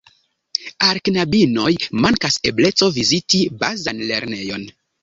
Al knabinoj mankas ebleco viziti bazan lernejon.